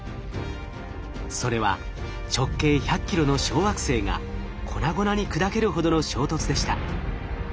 それは直径１００キロの小惑星が粉々に砕けるほどの衝突でした。